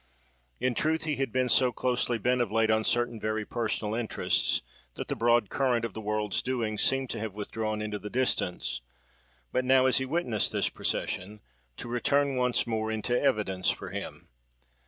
In truth, he had been so closely bent of late on certain very personal interests that the broad current of the world's doings seemed to have withdrawn into the distance, but now, as he witnessed this procession, to return once more into evidence for him.